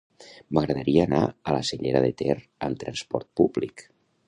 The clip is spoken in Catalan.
M'agradaria anar a la Cellera de Ter amb trasport públic.